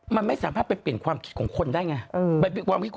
มันไม่สามารถไปเปลี่ยนความคิดของคนได้ไง